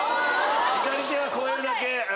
「左手は添えるだけ」